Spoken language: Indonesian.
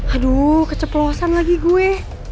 aduh keceplosan lagi gue